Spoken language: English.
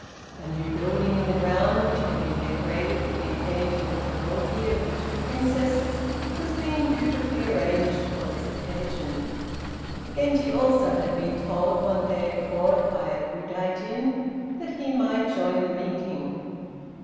A new building in the ground, which had been decorated for the occasion of the Mogi of the two Princesses, was being beautifully arranged for this occasion. Genji also had been told one day at Court by Udaijin that he might join the meeting.